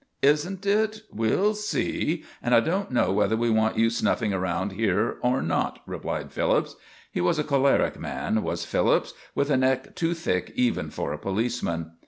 "Isn't it? We'll see. And I don't know whether we want you snuffing around here or not," replied Phillips. He was a choleric man, was Phillips, with a neck too thick even for a policeman.